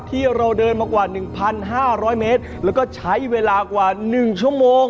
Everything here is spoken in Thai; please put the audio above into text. ที่เราเดินมากว่าหนึ่งพันห้าร้อยเมตรแล้วก็ใช้เวลากว่าหนึ่งชั่วโมง